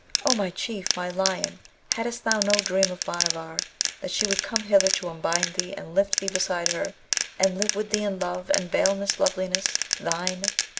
O my Chief, my lion! hadst thou no dream of Bhanavar, that she would come hither to unbind thee and lift thee beside her, and live with thee in love and veilless loveliness, thine?